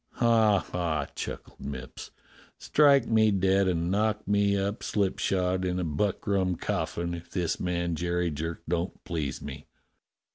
"Ha! ha!" chuckled Mipps. "Strike me dead and knock me up slipshod in a buckrum coffin, if this man Jerry Jerk don't please me.